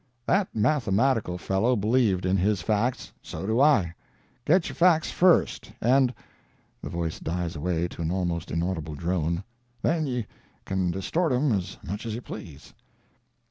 That mathematical fellow believed in his facts. So do I. Get your facts first, and"—the voice dies away to an almost inaudible drone—"then you can distort 'em as much as you please."